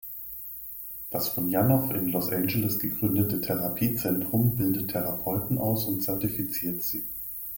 Das von Janov in Los Angeles gegründete Therapiezentrum bildet Therapeuten aus und zertifiziert sie.